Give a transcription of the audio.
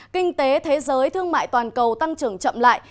kinh tế thế giới thương mại toàn cầu tăng trưởng chậm lại